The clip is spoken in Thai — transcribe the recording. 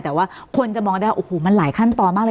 แต่ว่าคนจะมองได้ว่าโอ้โหมันหลายขั้นตอนมากเลย